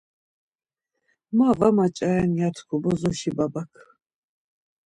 Ma var maceren ya tku bozoşi babak.